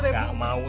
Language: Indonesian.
gak mau tuh